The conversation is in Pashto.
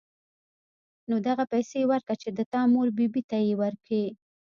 نو دغه پيسې وركه چې د تا مور بي بي ته يې وركي.